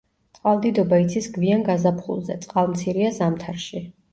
წყალდიდობა იცის გვიან გაზაფხულზე, წყალმცირეა ზამთარში.